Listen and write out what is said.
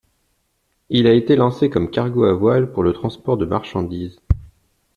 Il a été lancé comme cargo à voiles pour le transport de marchandises.